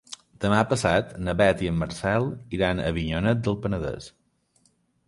Demà passat na Beth i en Marcel iran a Avinyonet del Penedès.